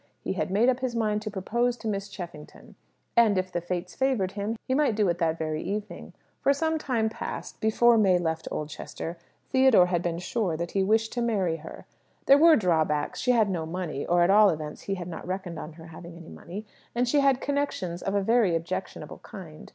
He had made up his mind to propose to Miss Cheffington; and, if the Fates favoured him, he might do it that very evening. For some time past before May left Oldchester Theodore had been sure that he wished to marry her. There were drawbacks. She had no money (or at all events he had not reckoned on her having any money), and she had connections of a very objectionable kind.